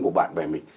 của bạn bè mình